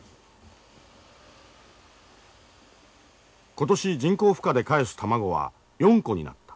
今年人工孵化でかえす卵は４個になった。